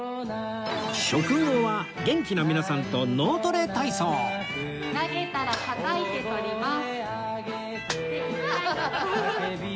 食後は元気な皆さんと脳トレ体操投げたらたたいて捕ります。